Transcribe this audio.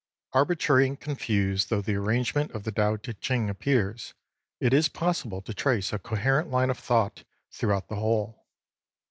Arbitrary and confused though the arrange ment of the Tao T& Ching appears, it is possible to trace a coherent line of thought throughout the whole.